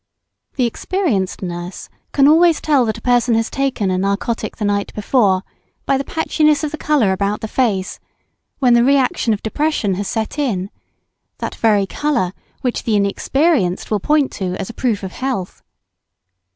The experienced nurse can always tell that a person has taken a narcotic the night before by the patchiness of the colour about the face, when the re action of depression has set in; that very colour which the inexperienced will point to as a proof of health.